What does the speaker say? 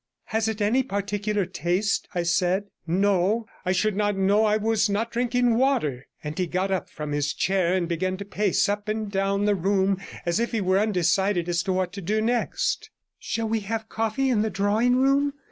'Has it any particular taste?' I said. 'No; I should not know I was not drinking water,' and he got up from his chair and began to pace up and down the room as if he were undecided as to what he should do next. 'Shall we have coffee in the drawing room?'